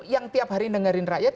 yang tiap hari dengerin rakyat